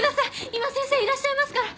今先生いらっしゃいますから。